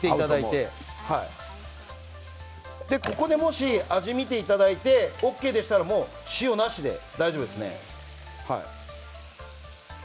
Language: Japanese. ここで味見を見ていただいてＯＫでしたら塩なしで大丈夫です。